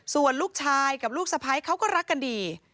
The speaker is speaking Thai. ส่วนลูกชายกับลูกสะพ้ายเขาก็รักกันดี